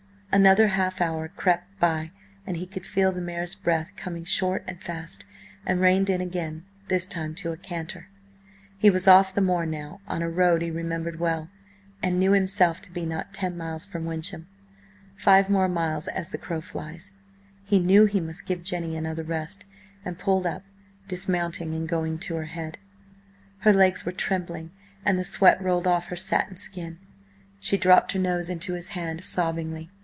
Another half hour crept by, and he could feel the mare's breath coming short and fast, and reined in again, this time to a canter. He was off the moor now, on a road he remembered well, and knew himself to be not ten miles from Wyncham. Five more miles as the crow flies. ... He knew he must give Jenny another rest, and pulled up, dismounting and going to her head. Her legs were trembling, and the sweat rolled off her satin skin. She dropped her nose into his hand, sobbingly.